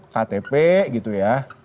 ktp gitu ya